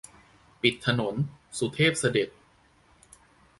ปิดถนน สุเทพเสด็จ